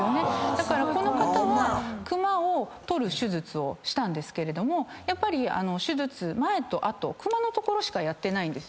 この方はクマを取る手術をしたんですけれどもやっぱり手術前と後クマの所しかやってないんです。